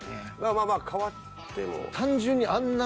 まあまあ変わっても。